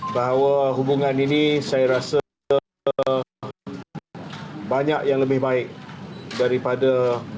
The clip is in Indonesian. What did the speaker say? bahwa hubungan ini saya rasa sebanyak yang lebih baik daripada